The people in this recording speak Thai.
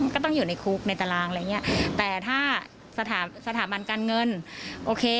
ก็ต้องอยู่ในคุกในตารางอะไรอย่างเงี้ยแต่ถ้าสถาบันการเงินโอเค